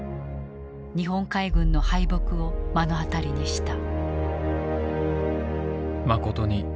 日本海軍の敗北を目の当たりにした。